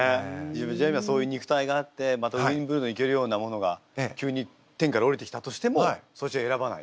じゃあそういう肉体があってまたウィンブルドン行けるようなものが急に天からおりてきたとしてもそっちを選ばないで？